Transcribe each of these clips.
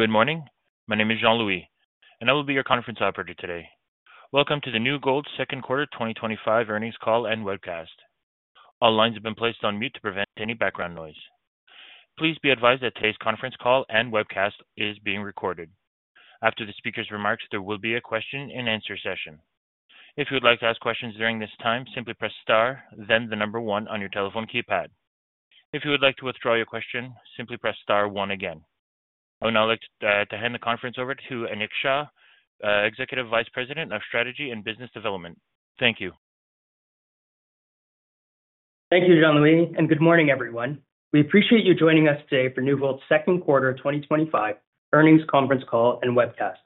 Good morning, my name is Jean Louis and I will be your conference operator today. Welcome to the New Gold second quarter 2025 earnings call and webcast. All lines have been placed on mute to prevent any background noise. Please be advised that today's conference call and webcast is being recorded. After the speaker's remarks, there will be a question and answer session. If you would like to ask questions during this time, simply press star then the number one on your telephone keypad. If you would like to withdraw your question, simply press star one again. I would now like to hand the conference over to Ankit Shah, Executive Vice President of Strategy and Business Development. Thank you. Thank you, Jean Louis, and good morning, everyone. We appreciate you joining us today for New Gold's second quarter 2025 earnings conference call and webcast.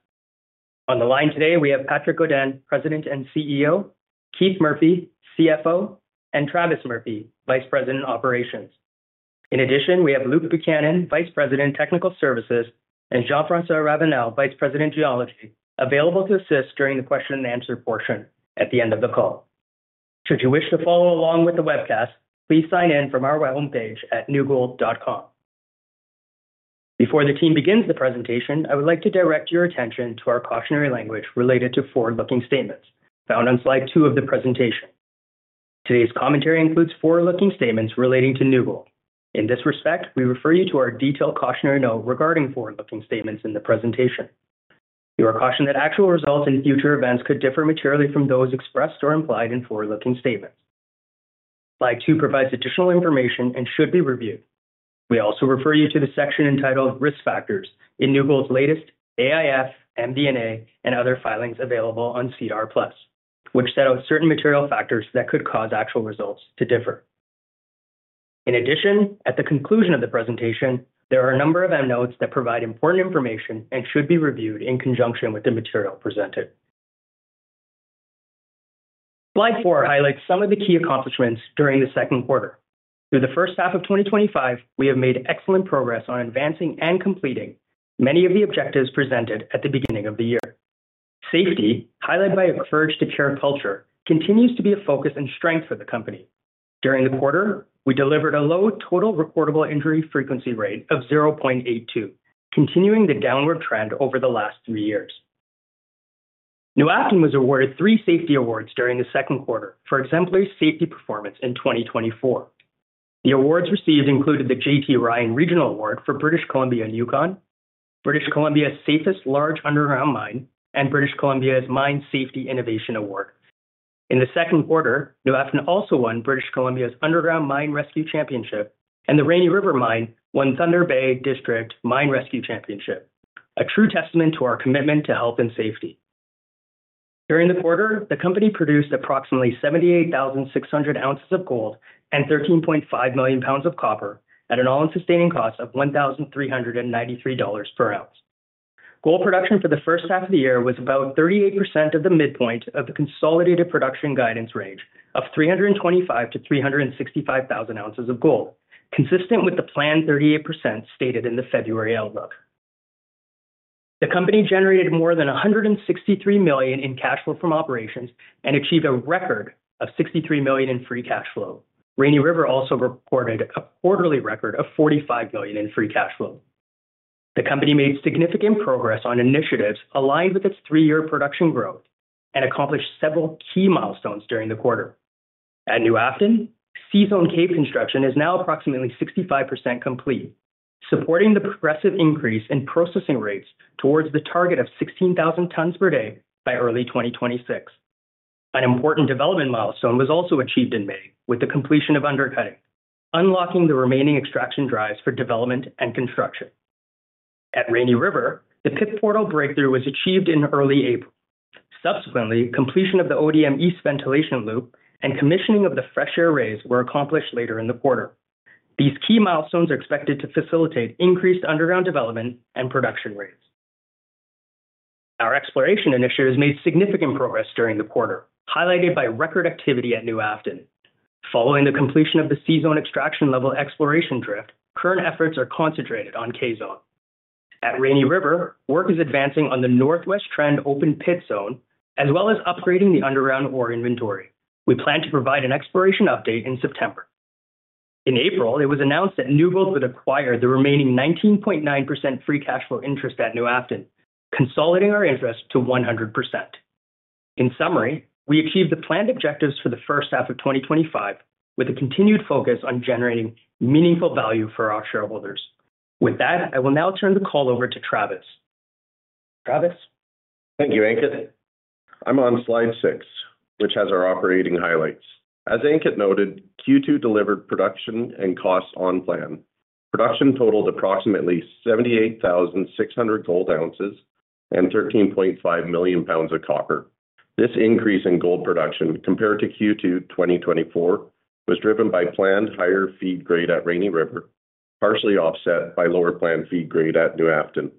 On the line today we have Patrick Godin, President and CEO, Keith Murphy, CFO, and Travis Murphy, Vice President of Operations. In addition, we have Luke Buchanan, Vice President of Technical Services, and Jean-François Ravenelle, Vice President of Geology, available to assist during the question and answer portion at the end of the call. Should you wish to follow along with the webcast, please sign in from our homepage at newgold.com. Before the team begins the presentation, I would like to direct your attention to our cautionary language related to forward-looking statements found on slide 2 of the presentation. Today's commentary includes forward-looking statements relating to New Gold. In this respect, we refer you to our detailed cautionary note regarding forward-looking statements in the presentation. You are cautioned that actual results and future events could differ materially from those expressed or implied in forward-looking statements. Slide 2 provides additional information and should be reviewed. We also refer you to the section entitled Risk Factors in New Gold's latest AIF, MD&A, and other filings available on SEDAR+ which set out certain material factors that could cause actual results to differ. In addition, at the conclusion of the presentation, there are a number of endnotes that provide important information and should be reviewed in conjunction with the material presented. Slide 4 highlights some of the key accomplishments during the second quarter. Through the first half of 2025, we have made excellent progress on advancing and completing many of the objectives presented at the beginning of the year. Safety, highlighted by a push to Courage to Care culture, continues to be a focus and strength for the company. During the quarter, we delivered a low total reportable injury frequency rate of 0.82, continuing the downward trend over the last three years. New Afton was awarded three safety awards during the second quarter for exemplary safety performance in 2024. The awards received included the J.T. Ryan Regional Award for British Columbia and Yukon, British Columbia's Safest Large Underground Mine, and British Columbia's Mine Safety Innovation Award. In the second quarter, New Afton also won British Columbia's Underground Mine Rescue Championship and the Rainy River Mine Rescue Team won the Thunder Bay District Mine Rescue Championship, a true testament to our commitment to health and safety. During the quarter, the company produced approximately 78,600 oz of gold and 13.5 million lbs of copper at an all-in sustaining cost of $1,393 per ounce. Gold production for the first half of the year was about 38% of the midpoint of the consolidated production guidance range of 325,000 oz-365,000 oz of gold, consistent with the planned 38% stated in the February outlook. The company generated more than $163 million in cash flow from operations and achieved a record of $63 million in free cash flow. Rainy River also reported a quarterly record of $45 million in free cash flow. The company made significant progress on initiatives aligned with its three-year production growth and accomplished several key milestones during the quarter. At New Afton, C-Zone cave construction is now approximately 65% complete, supporting the progressive increase in processing rates towards the target of 16,000 tonnes per day by early 2026. An important development milestone was also achieved in May with the completion of undercutting, unlocking the remaining extraction drives for development and construction at Rainy River. The pit portal breakthrough was achieved in early April. Subsequently, completion of the ODM East ventilation loop and commissioning of the fresh air raises were accomplished later in the quarter. These key milestones are expected to facilitate increased underground development and production rates. Our exploration initiatives made significant progress during the quarter, highlighted by record activity at New Afton following the completion of the C-Zone extraction level exploration drift. Current efforts are concentrated on K-Zone at Rainy River. Work is advancing on the Northwest Trend open pit zone as well as upgrading the underground ore inventory. We plan to provide an exploration update in September. In April, it was announced that New Gold would acquire the remaining 19.9% free cash flow interest at New Afton, consolidating our interest to 100%. In summary, we achieved the planned objectives for the first half of 2025 with a continued focus on generating meaningful value for our shareholders. With that, I will now turn the call over to Travis. Travis? Thank you, Ankit. I'm on slide 6 which has our operating highlights. As Ankit noted, Q2 delivered production and costs on plan. Production totaled approximately 78,600 gold oz and 13.5 million lbs of copper. This increase in gold production compared to Q2 2024 was driven by planned higher feed grade at Rainy River, partially offset by lower planned feed grade at New Afton.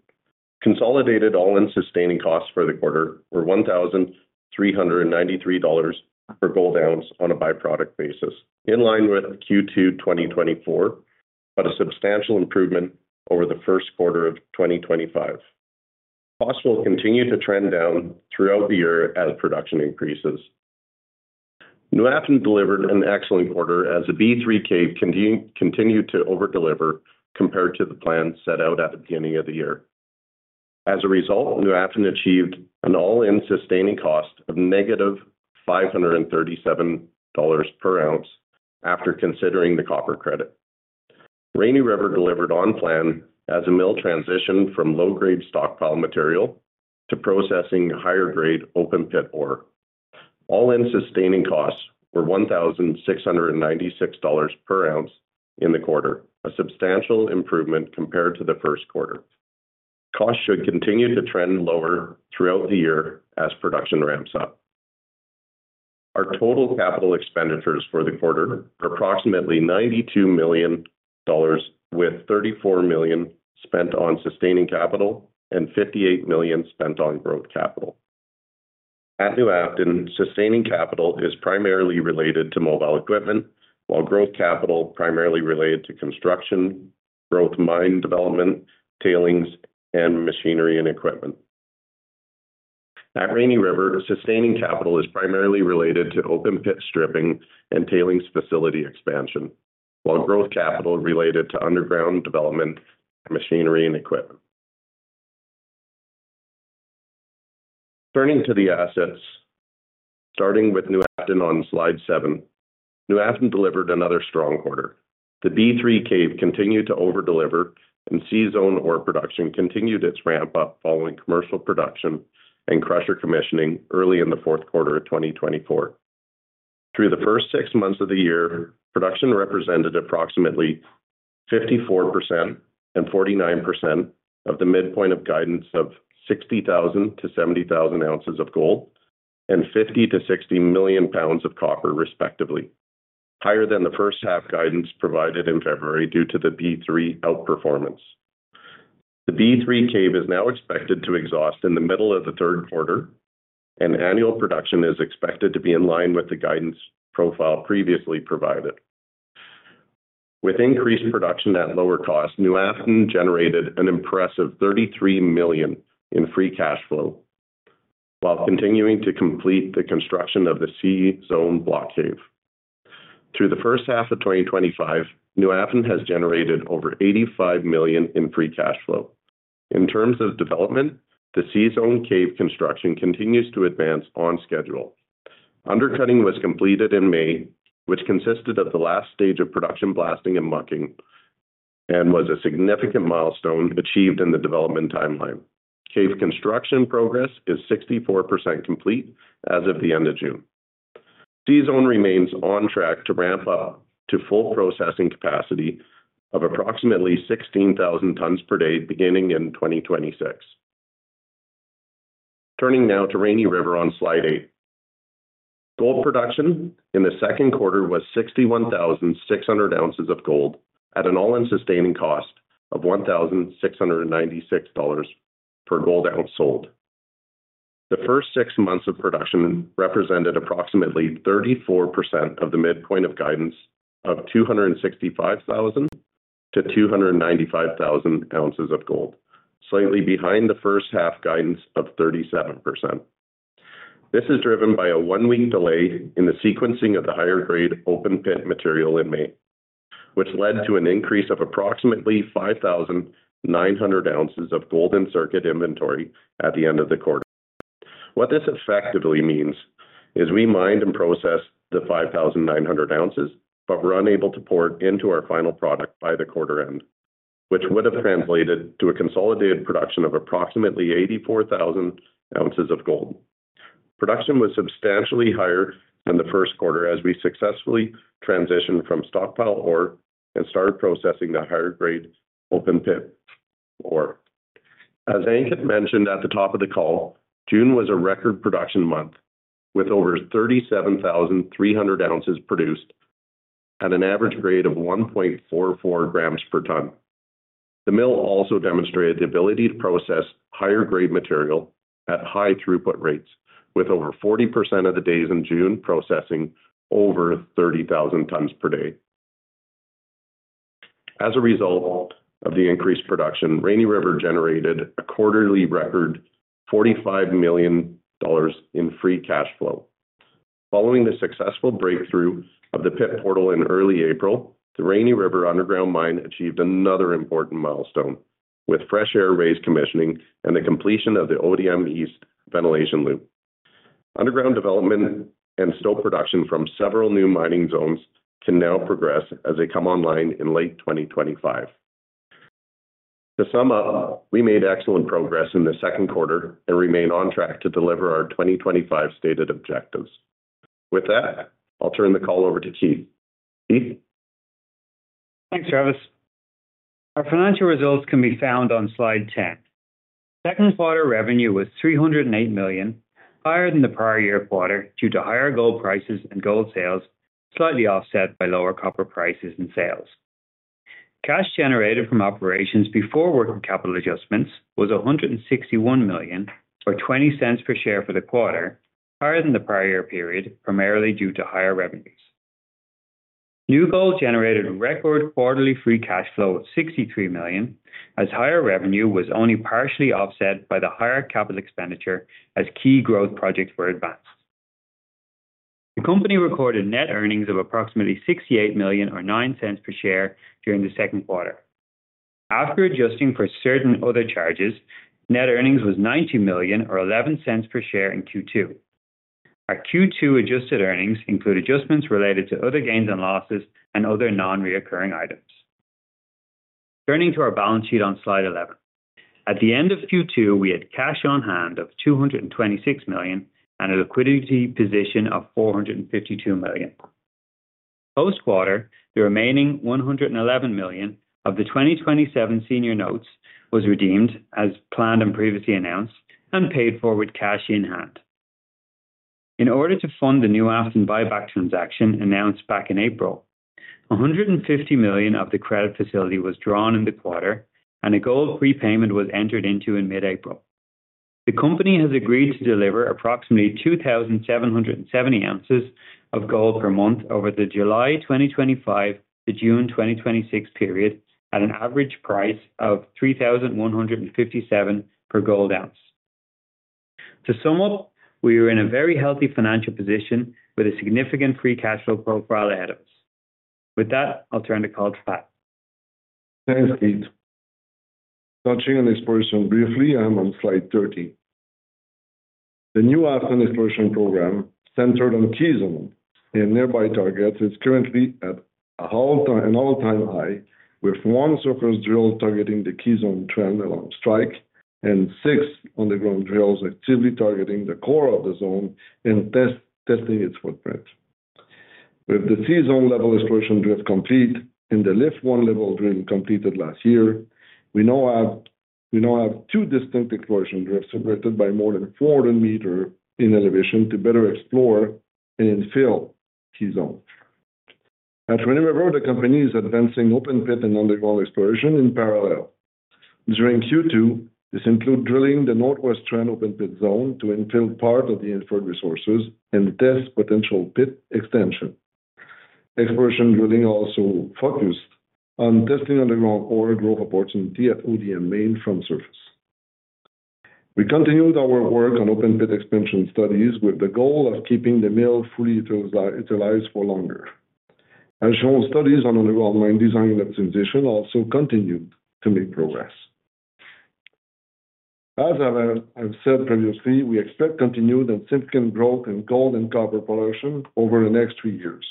Consolidated all-in sustaining costs for the quarter were $1,393 per gold ounce on a byproduct basis, in line with Q2 2024, but a substantial improvement over the first quarter of 2025. Costs will continue to trend down throughout the year as production increases. New Afton delivered an excellent quarter as the B3 cave continued to over deliver compared to the plan set out at the beginning of the year. As a result, New Afton achieved an all-in sustaining cost of -$537 per ounce after considering the copper credit. Rainy River delivered on plan as the mill transitioned from low grade stockpile material to processing higher grade open pit ore. All-in sustaining costs were $1,696 per ounce in the quarter, a substantial improvement compared to the first quarter. Costs should continue to trend lower throughout the year as production ramps up. Our total capital expenditures for the quarter are approximately $92 million, with $34 million spent on sustaining capital and $58 million spent on growth capital. At New Afton, sustaining capital is primarily related to mobile equipment, while growth capital is primarily related to construction, growth, mine development, tailings, and machinery and equipment. At Rainy River, sustaining capital is primarily related to open pit stripping and tailings facility expansion, while growth capital is related to underground development, machinery, and equipment. Turning to the assets, starting with New Afton on slide 7, New Afton delivered another strong quarter. The B3 cave continued to over deliver and C-Zone ore production continued its ramp up following commercial production and crusher commissioning early in the fourth quarter 2024. Through the first six months of the year, production represented approximately 54% and 49% of the midpoint of guidance of 60,000 oz-70,000 oz of gold and 50 million-60 million lbs of copper, respectively, higher than the first half guidance provided in February. Due to the B3 outperformance, the B3 Cave is now expected to exhaust in the middle of the third quarter, and annual production is expected to be in line with the guidance profile previously provided with increased production at lower cost. New Afton generated an impressive $33 million in free cash flow while continuing to complete the construction of the C-Zone block cave through the first half of 2025. New Afton has generated over $85 million in free cash flow in terms of development. The C-Zone cave construction continues to advance on schedule. Undercutting was completed in May, which consisted of the last stage of production, blasting, and mucking, and was a significant milestone achieved in the development timeline. Cave construction progress is 64% complete as of the end of June. C-Zone remains on track to ramp up to full processing capacity of approximately 16,000 tonnes per day beginning in 2026. Turning now to Rainy River on slide 8. Gold production in the second quarter was 61,600 oz of gold at an all-in sustaining cost of $1,696 per ounce sold. The first six months of production represented approximately 34% of the midpoint of guidance of 265,000 oz-295,000 oz of gold, slightly behind the first half guidance of 37%. This is driven by a one-week delay in the sequencing of the higher grade open pit material in May, which led to an increase of approximately 5,900 oz of gold in circuit inventory at the end of the quarter. What this effectively means is we mined and processed the 5,900 oz but were unable to pour it into our final product by the quarter end, which would have translated to a consolidated production of approximately 84,000 oz of gold. Production was substantially higher than the first quarter as we successfully transitioned from stockpile ore and started processing the higher grade open pit ore. As Ankit mentioned at the top of the call, June was a record production month with over 37,300 oz produced at an average grade of 1.44 g/tonne. The mill also demonstrated the ability to process higher grade material at high throughput rates, with over 40% of the days in June processing over 30,000 tonnes per day. As a result of the increased production, Rainy River generated a quarterly record $45 million in free cash flow. Following the successful breakthrough of the pit portal in early April, the Rainy River underground mine achieved another important milestone with fresh air raise commissioning and the completion of the ODM East ventilation loop underground development. Production from several new mining zones can now progress as they come online in late 2025. To sum up, we made excellent progress in the second quarter and remain on track to deliver our 2025 stated objectives. With that, I'll turn the call over to Keith. Keith? Thanks Travis. Our financial results can be found on slide 10. Second quarter revenue was $308 million, higher than the prior year quarter due to higher gold prices and gold sales, slightly offset by lower copper prices and sales. Cash generated from operations before working capital adjustments was $161 million, or $0.20 per share for the quarter, higher than the prior year period, primarily due to higher revenues. New Gold generated record quarterly free cash flow of $63 million as higher revenue was only partially offset by the higher capital expenditure as key growth projects were advanced. The company recorded net earnings of approximately $68 million, or $0.09 per share during the second quarter after adjusting for certain other charges. Net earnings was $90 million, or $0.11 per share in Q2. Our Q2 adjusted earnings include adjustments related to other gains and losses and other non-recurring items. Turning to our balance sheet on slide 11, at the end of Q2 we had cash on hand of $226 million and a liquidity position of $452 million post quarter. The remaining $111 million of the 2027 senior notes was redeemed as planned and previously announced and paid forward cash in hand. In order to fund the New Afton buyback transaction announced back in April, $150 million of the credit facility was drawn in the quarter and a gold prepayment was entered into in mid-April. The company has agreed to deliver approximately 2,770 oz of gold per month over the July 2025-June 2026 period at an average price of $3,157 per gold ounce. To sum up, we are in a very healthy financial position with a significant free cash flow profile ahead of us. With that, I'll turn the call to Pat. Thanks, Keith. Touching on exploration briefly, I'm on slide 13. The New Afton exploration program centered on K-Zone and nearby targets is currently at an all-time high, with one surface drill targeting the K-Zone trend along strike and six on-the-ground drills actively targeting the core of the zone and testing its footprint. With the C-Zone level exploration drift complete and the lift one level drill completed last year, we now have two distinct exploration drifts separated by more than 400 m in elevation. To better explore and infill K-Zone at Rainy River, the company is advancing open pit and underground exploration in parallel during Q2. This includes drilling the Northwest trend open pit zone to infill part of the inferred resources and test potential pit extension. Exploration drilling also focused on testing underground ore growth opportunity at ODM Main from surface. We continued our work on open pit expansion studies with the goal of keeping the mill fully utilized for longer. As shown, studies on the ground mine design weapons also continued to make progress. As I've said previously, we expect continued and significant growth in gold and copper production over the next three years.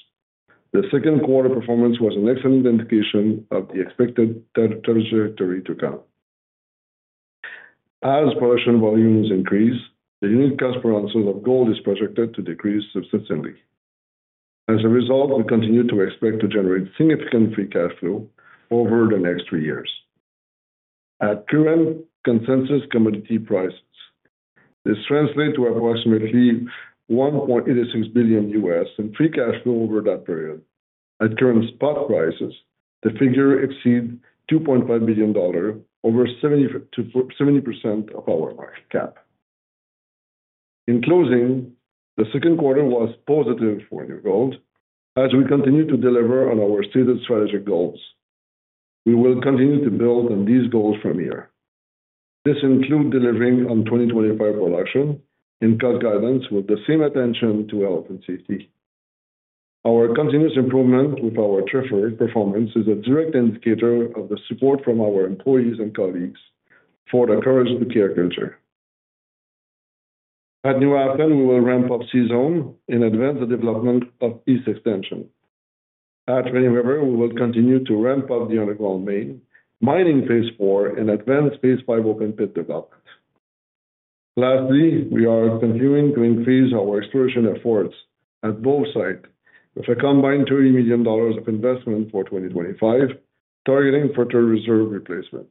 The second quarter performance was an excellent indication of the expected trajectory to come. As production volumes increase, the unit cost per ounce of gold is projected to decrease substantively. As a result, we continue to expect to generate significant free cash flow over the next three years. At current consensus commodity prices, this translates to approximately $1.86 billion in free cash flow over that period. At current spot prices, the figure exceeds $2.5 billion, over 70% of our market cap. In closing, the second quarter was positive for New Gold. As we continue to deliver on our stated strategic goals, we will continue to build on these goals from here. This includes delivering on 2025 production and cost guidance with the same attention to health and safety. Our continuous improvement with our TRIFR performance is a direct indicator of the support from our employees and colleagues for the courage of the care culture. At New Afton, we will ramp up C-Zone and advance the development of East Extension. At Rainy River, we will continue to ramp up the underground main mining phase 4 and advance phase 5 open pit development. Lastly, we are continuing to increase our exploration efforts at both sites with a combined $30 million of investment for 2025. Targeting fertile reserve replacement,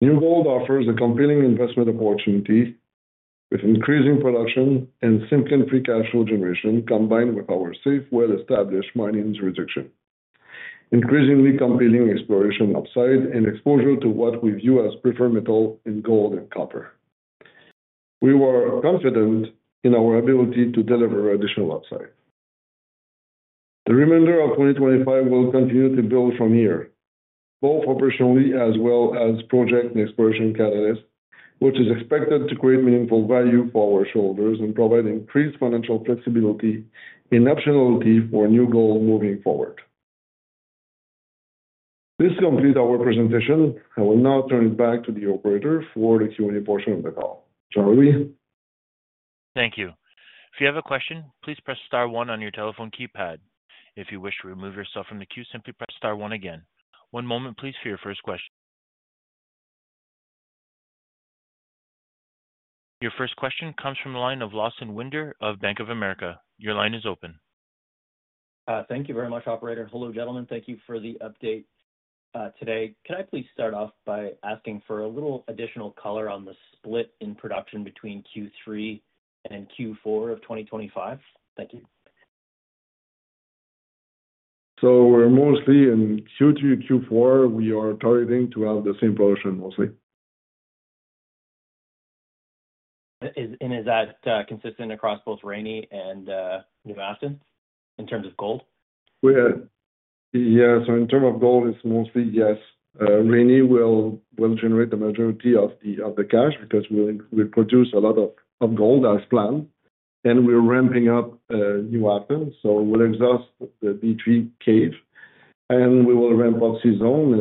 New Gold offers a compelling investment opportunity. With increasing production and simple free cash flow generation combined with our safe, well-established mining jurisdiction, increasingly compelling exploration upside, and exposure to what we view as preferential in gold and copper, we are confident in our ability to deliver additional upside. The remainder of 2025 will continue to build from here, both operationally as well as project exploration catalyst, which is expected to create meaningful value for our shareholders and provide increased financial flexibility and optionality for New Gold moving forward. This completes our presentation. I will now turn it back to the operator for the Q&A portion of the call. Jean Louis? Thank you. If you have a question, please press star one on your telephone keypad. If you wish to remove yourself from the queue, simply press star one again. One moment, please, for your first question. Your first question comes from the line of Lawson Winder of Bank of America. Your line is open. Thank you very much, Operator. Hello gentlemen. Thank you for the update today. Can I please start off by asking? For a little additional color on the split in production between Q3 and Q4 of 2025? Thank you. We are mostly in Q3-Q4, we are targeting to have the same production mostly. Is that consistent across both Rainy River and New Afton? In terms of gold? Yeah. In terms of gold, it's mostly, yes. Rainy will generate the majority of the cash because we produce a lot of gold as planned, and we're ramping up New Afton, so we'll exhaust the B3 cave and we will ramp up C-Zone.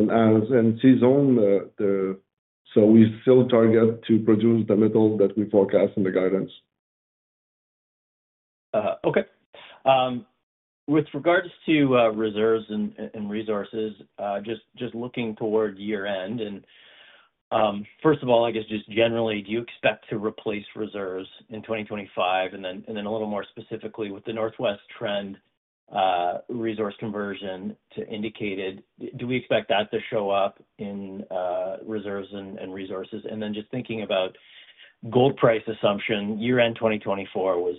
We still target to produce the metal that we forecast in the guidance. Okay. With regards to reserves and resources, just looking toward year end, first of all, I guess just generally, do you expect to replace reserves in 2025? A little more specifically, with the Northwest trend resource conversion to indicated, do we expect that to show up in reserves and resources? Just thinking about gold price assumption, year end 2024 was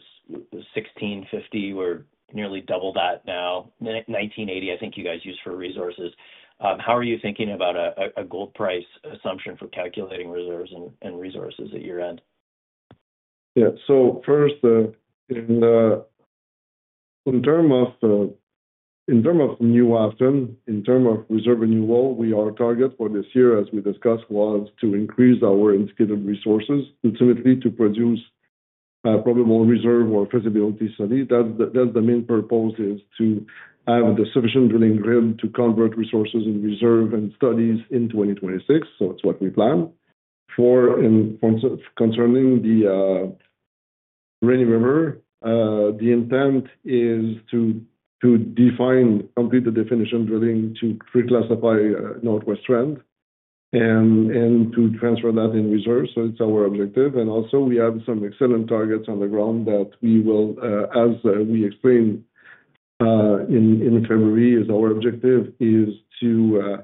$1,650. We're nearly double that now, $1,980 I think you guys use for resources. How are you thinking about a gold price assumption for calculating reserves and resources at year end? Yeah. So first in terms of New Afton, in terms of reserve renewal, our target for this year as we discussed was to increase our indicated resources ultimately to produce probable reserve or feasibility studies. That's the main purpose, to have the sufficient drilling grid to convert resources in reserve and studies in 2026. It's what we plan for. Concerning the Rainy River, the intent is to complete the definition drilling to reclassify Northwest trend and to transfer that in reserve. It's our objective, and also we have some excellent targets on the ground that we will, as we explained in February, our objective is to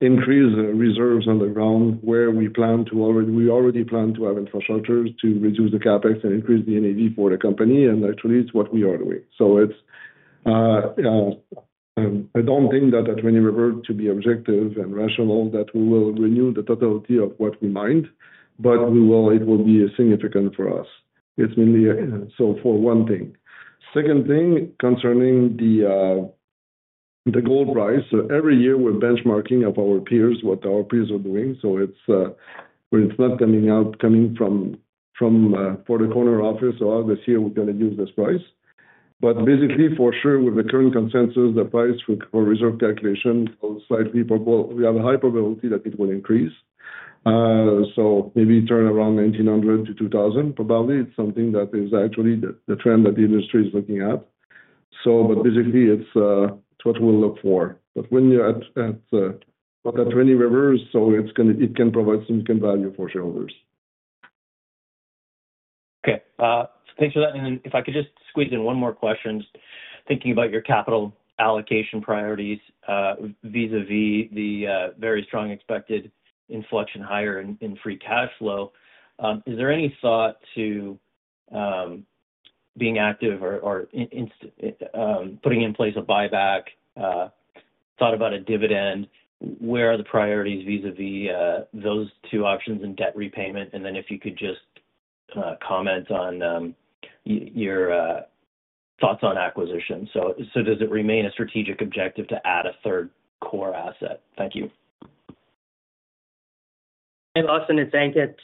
increase reserves on the ground where we already plan to have infrastructures to reduce the CapEx and increase the NAV for the company. Actually, it's what we are doing. I don't think that at Rainy River, to be objective and rational, that we will renew the totality of what we mined, but it will be significant for us. It's mainly for one thing. Second thing, concerning the gold price, every year we're benchmarking our peers, what our peers are doing. It's not coming from the corner office or this year we're going to use this price, but basically for sure with the current consensus, the price for reserve calculation, we have a high probability that it will increase. Maybe around $1,900-$2,000, probably it's something that is actually the trend that the industry is looking at. Basically, it's what we'll look for. When you're at Rainy River, it can provide significant value for shareholders. Okay, thanks for that. If I could just squeeze in. One more question thinking about your capital allocation priorities vis-a-vis the very strong expected inflection, higher in free cash flow. Is there any thought to being active or putting in place a buyback? Thought about a dividend? Where are the priorities vis-a-vis those two options and debt repayment? If you could just comment on your thoughts on acquisition. Does it remain a strategic objective? To add a third core asset? Thank you. Hey Lawson, it's Ankit.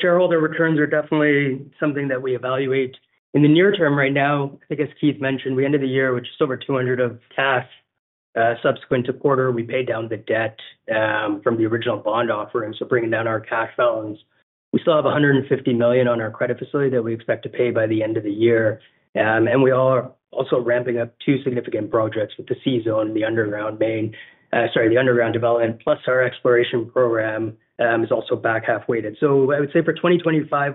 Shareholder returns are definitely something that we evaluate in the near term. Right now I think as Keith mentioned, we ended the year with just over $200 million of cash. Subsequent to quarter, we paid down the debt from the original bond offer, bringing down our cash balance. We still have $150 million on our credit facility that we expect to pay by the end of the year. We are also ramping up two significant projects with the C-Zone, the underground development. Plus our exploration program is also back half weighted. I would say for 2025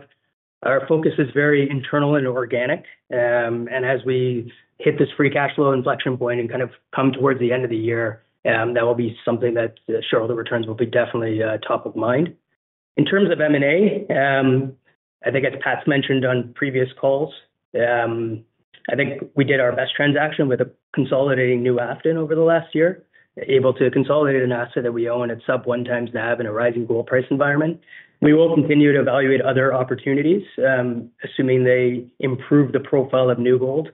our focus is very internal and organic, and as we hit this free cash flow inflection point and come towards the end of the year, shareholder returns will definitely be top of mind. In terms of M&A, I think as Pat's mentioned on previous calls, we did our best transaction with consolidating New Afton over the last year. Able to consolidate an asset that we own at sub 1x NAV in a rising gold price environment. We will evaluate other opportunities assuming they improve the profile of New Gold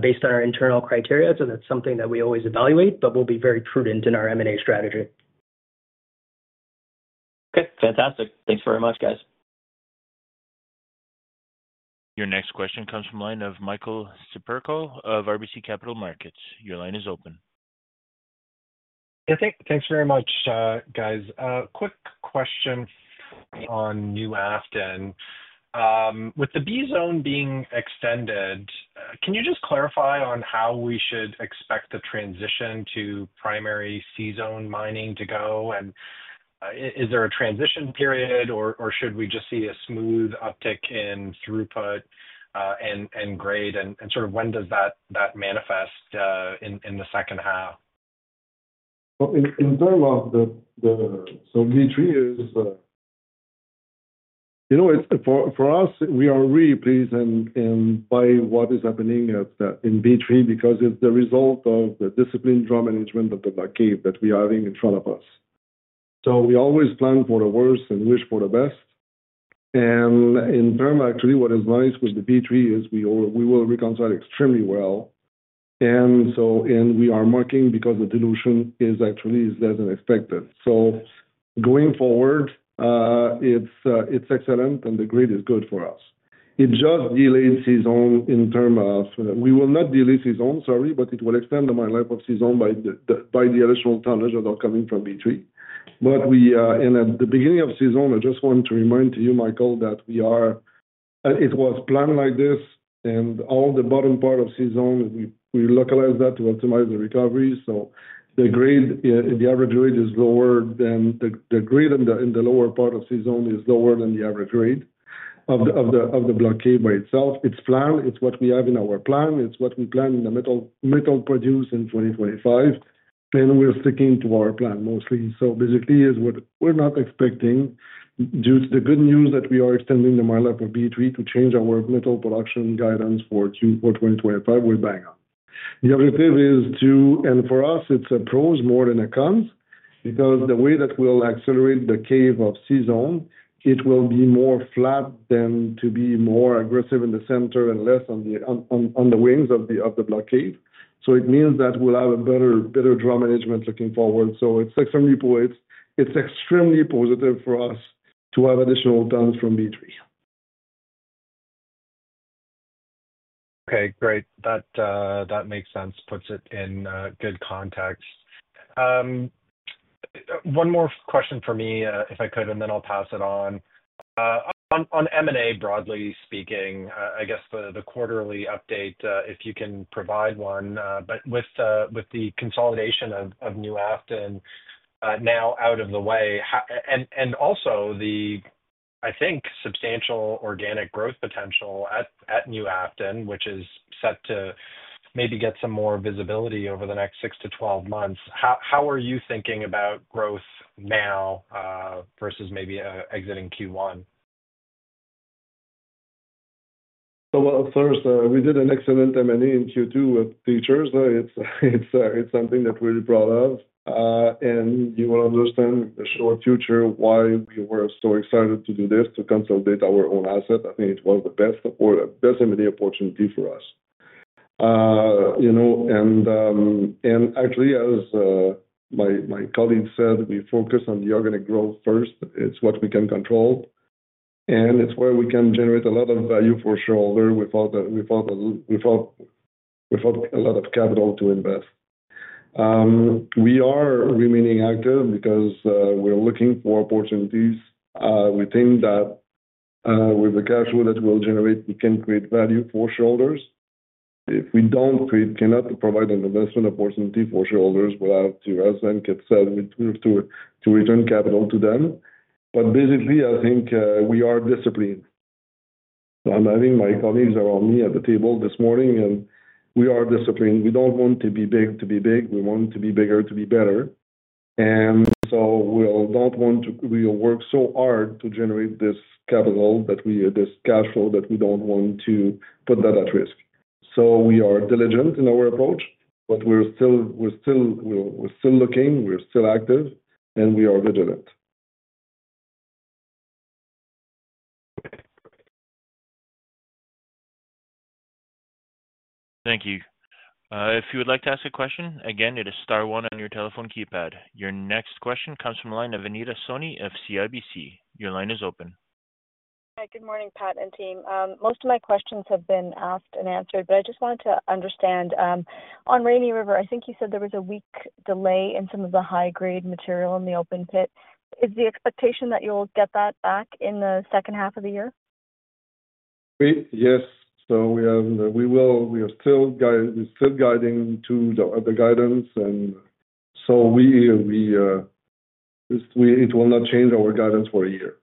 based on our internal criteria. That is something that we always evaluate, but we'll be very prudent in our M&A strategy. Okay, fantastic. Thanks very much, guys. Your next question comes from the line of Michael Siperco of RBC Capital Markets. Your line is open. Thanks very much, guys. Quick question on New Afton, with the B-Zone being extended, can you just clarify on how we should expect the transition to primary C-Zone mining to go, and is there a transition period, or should we just see a smooth uptick in throughput and grade, and sort of when does that manifest in the second half. In terms of the solely three years, you know for us we are really pleased by what is happening in B3 because it's the result of the disciplined draw management of the blockade that we are having in front of us. We always plan for the worst and wish for the best, and in terms actually what is nice with the B3 is we will reconcile extremely well, and we are marking because the dilution is actually less than expected. Going forward, it's excellent and the grade is good for us. It just delayed C-Zone in terms of—we will not delay C-Zone, sorry—but it will extend the mine life of C-Zone by the additional tonnage that are coming from B3. In the beginning of C-Zone, I just want to remind you, Michael, that it was planned like this and all the bottom part of C-Zone, we localize that to optimize the recovery. The grade, the average grade is lower than the grade in the lower part of C-Zone, is lower than the average grade of the block cave by itself. It's planned. It's what we have in our plan. It's what we plan in the metal produce in 2025. We're sticking to our plan mostly, so basically is what we're not expecting due to the good news that we are extending the mine life of B3 to change our metal production guidance for Q4 2025. We're bang on. The objective is, and for us it's a pros more than a cons, because the way that we'll accelerate the cave of C-Zone is it will be more flat than to be more aggressive in the center and less on the wings of the blockade. It means that we'll have better draw management looking forward. It's extremely positive. It's extremely positive for us to have additional tonnes from B3. Okay, great. That. That makes sense. Puts it in good context. One more question for me if I could, and then I'll pass it on. On M&A broadly speaking, I guess the quarterly update if you can provide one. But with the consolidation of New Afton now out of the way and also the, I think, substantial organic growth potential at New Afton, which is set to maybe get some more visibility over the next 6 months-12 months, how are you thinking about growth now versus maybe exiting Q1? First, we did an excellent M&A in Q2 with Teachers. It's something that we're proud of, and you will understand in the short future why we were so excited to do this, to consolidate our own asset. I think it was the best M&A opportunity for us, you know. Actually, as my colleague said, we focus on the organic growth first. It's what we can control, and it's where we can generate a lot of value for shareholders without a lot of capital to invest. We are remaining active because we're looking for opportunities. We think that with the cash flow that we'll generate, we can create value for shareholders. If we don't, we cannot provide an investment opportunity for shareholders. We plan to return capital to them. Basically, I think we are disciplined. I'm having my colleagues around me at the table this morning, and we are disciplined. We don't want to be big to be big. We want to be bigger to be better. We work so hard to generate this capital, this cash flow, that we don't want to put that at risk. We are diligent in our approach, but we're still looking, we're still active, and we are vigilant. Thank you. If you would like to ask a question again, it is star one on your telephone keypad. Your next question comes from the line of Anita Soni of CIBC. Your line is open. Good morning Pat and team. Most of my questions have been asked and answered, but I just wanted to understand on Rainy River, I think you said there was a week delay in some of the high grade material in the open pit. Is the expectation that you'll get that back in the second half of the year? Yes, we are still guiding to the other guidance, and it will not change our guidance for a year.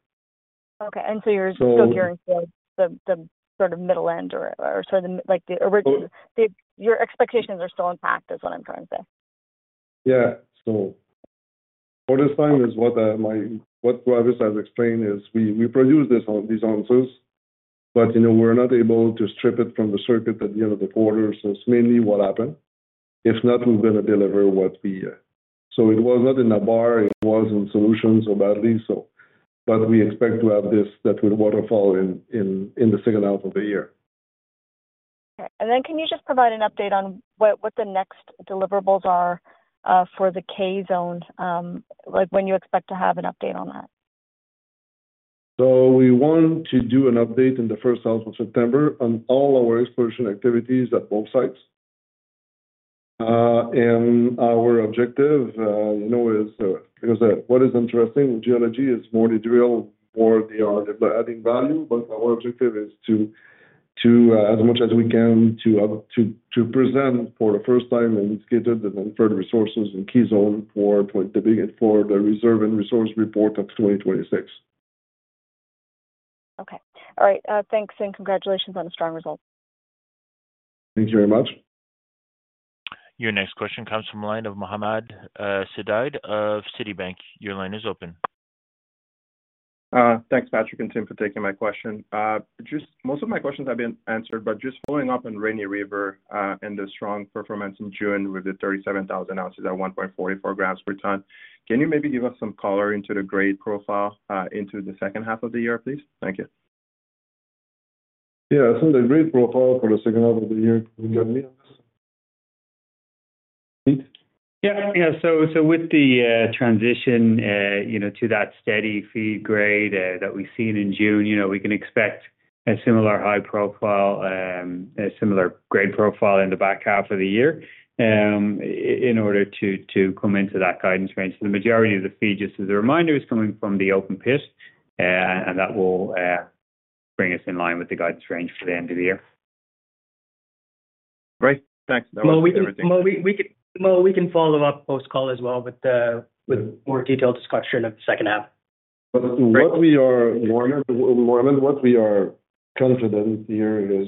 Okay. You're still gearing for the sort of middle end, or the original, your expectations are still intact is what I'm trying to say. Yeah. For this time, as Travis has explained, we produce this on these answers, but you know we're not able to strip it from the circuit at the end of the quarter. It's mainly what happened. If not, we're going to deliver what we—so it was not in a bar, it was in solutions, so badly, but we expect to have this that will waterfall in the second half of the year. And then can you just provide an update on what the next deliverables are for the K-Zone, like when you expect to have an update on that? We want to do an update in the first half of September on all our exploration activities at both sites. Our objective, you know, is because what is interesting geology is more drill for the adding value, but our objective is to as much as we can to present for the first time and indicated the deferred resources and K-Zone for the big for the reserve and resource report of 2026. Okay, all right. Thanks, and congratulations on a strong result. Thank you very much. Your next question comes from the line of [Mohamed Sidibé] of Citibank. Your line is open. Thanks, Patrick and [Keith], for taking my question. Most of my questions have been answered. Just following up on Rainy River and the strong performance in June, the 37,000 oz at 1.44 g per tonne. Can you maybe give us some color into the grade profile into the second half of the year, please? Thank you. Yeah, I think a great profile for the second half of the year. Keith? Yeah. With the transition to that steady feed grade that we've seen in June, we can expect a similar high profile, a similar grade profile in the back half of the year in order to come into that guidance range. The majority of the feed, just as a reminder, is coming from the open pit, and that will bring us in line with the guidance range end of the year. Great. Thanks. Mo, we can follow up post call as well with more detailed discussion of the second half. What we are confident here is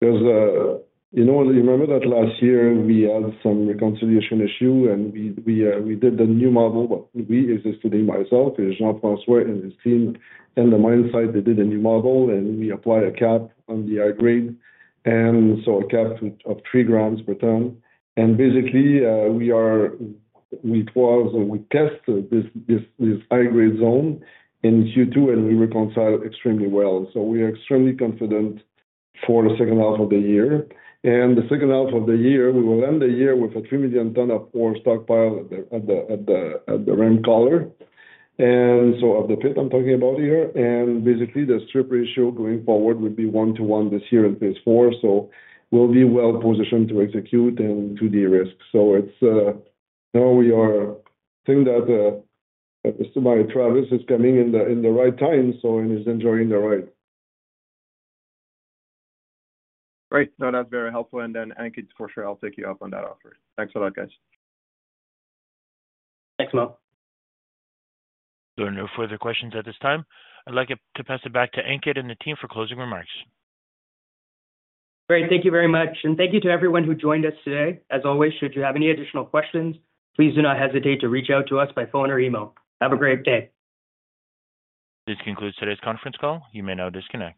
there's a, you know, you remember that last year we had some reconciliation issue and we did the new model, but we exist today, myself and his team and the mine site, they did a new model and we applied a cap on the high grade, a cap of 3 g per tonne. Basically, we are, we tested this high grade zone in Q2 and we reconciled extremely well. We are extremely confident for the second half of the year. In the second half of the year, we will end the year with a 3 million tonnes ore stockpile at the ram collar of the pit I'm talking about here. Basically, the strip ratio going forward would be 1/1 this year in phase. We'll be well positioned to execute and to de-risk. We now think that Travis is coming in at the right time, and he's enjoying the ride. Great. No, that's very helpful. Ankit for sure. I'll take you up on that offer. Thanks a lot, guys. Thanks Mo. There are no further questions at this time. I'd like to pass it back to Ankit and the team for closing remarks. Great. Thank you very much, and thank you to everyone who joined us today. As always, should you have any additional questions, please do not hesitate to reach out to us by phone or email. Have a great day. This concludes today's conference call. You may now disconnect.